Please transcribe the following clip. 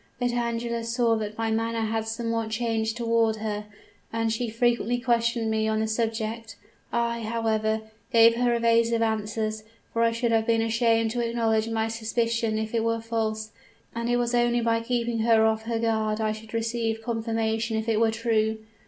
Vitangela saw that my manner had somewhat changed toward her, and she frequently questioned me on the subject. I, however, gave her evasive answers, for I should have been ashamed to acknowledge my suspicion if it were false, and it was only by keeping her off her guard I should receive confirmation if it were true.